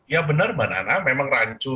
ya benar mbak nana memang rancu